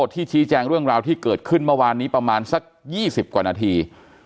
ชี้แจงเรื่องราวที่เกิดขึ้นเมื่อวานนี้ประมาณสัก๒๐กว่านาที